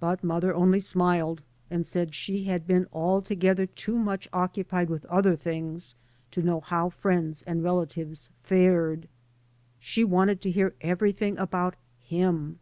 But mother only smiled and said that she had been altogether too much occupied with other things to know how friends and relatives fared. She wanted to hear everything about " him."